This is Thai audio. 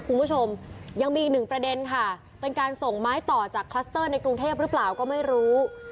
คุณผู้ชมยังมีอีกหนึ่งประเด็นค่ะเป็นการส่งไม้ต่อจากคลัสเตอร์ในกรุงเทพหรือเปล่าก็ไม่รู้